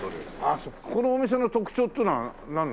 このお店の特徴っていうのはなんなの？